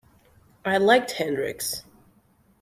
I liked Hendrix.